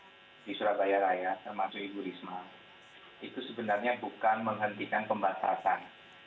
di surabaya raya termasuk ibu risma itu sebenarnya bukan menghentikan pembatasan